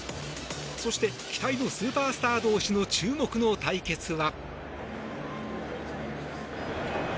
そして、期待のスーパースター同士の注目の対決が。